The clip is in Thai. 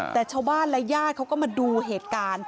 แต่ชาวบ้านและญาติเขาก็มาดูเหตุการณ์